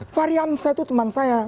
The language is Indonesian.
fahri hamzah itu teman saya